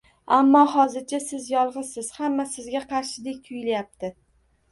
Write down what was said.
Ammo hozircha siz yolg’izsiz, hamma sizga qarshidek tuyulayapti